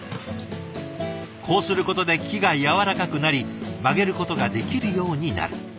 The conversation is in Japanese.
こうすることで木が軟らかくなり曲げることができるようになる。